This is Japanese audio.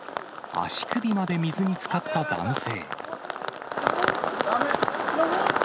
足首まで水につかった男性。